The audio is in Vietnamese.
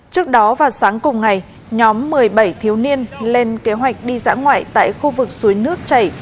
trước đó vào sáng cùng ngày nhóm một mươi bảy thiếu niên lên kế hoạch đi dã ngoại tại khu vực suối nước chảy